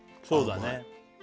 そうだね